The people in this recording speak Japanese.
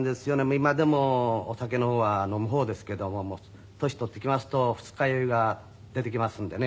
今でもお酒の方は飲む方ですけども年取ってきますと二日酔いが出てきますんでね。